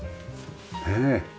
ねえ。